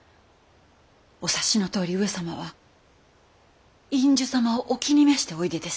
お察しのとおり上様は院主様をお気に召しておいでです。